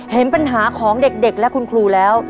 เห็นปัญหาของเด็กและคุณครูแล้ว